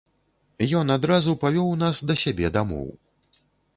Ён адразу павёў нас да сябе дамоў.